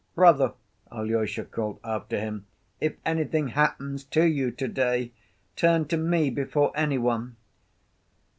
"Brother," Alyosha called after him, "if anything happens to you to‐day, turn to me before any one!"